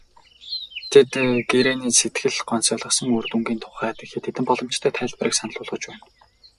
Тэд гэрээний сэтгэл гонсойлгосон үр дүнгийн тухайд хэд хэдэн боломжтой тайлбарыг санал болгож байна.